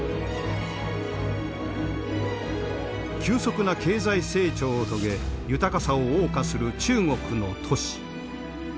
急速な経済成長を遂げ豊かさを謳歌する中国の都市。